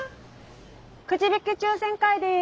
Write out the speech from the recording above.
くじ引き抽選会です。